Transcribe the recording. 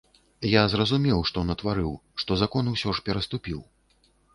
Я разумеў, што натварыў, што закон усё ж пераступіў.